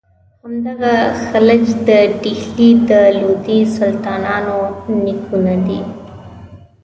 همدغه خلج د ډهلي د لودي سلطانانو نیکونه دي.